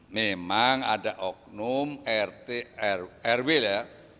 memang ada oknum rt rw ya